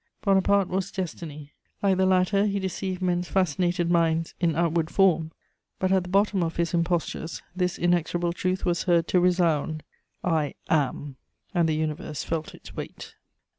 Bonaparte was "Destiny;" like the latter, he deceived men's fascinated minds in outward form, but at the bottom of his impostures this inexorable truth was heard to resound: "I am!" And the universe felt its weight.